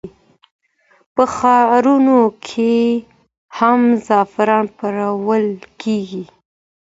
په ښارونو کې هم زعفران پلورل کېږي.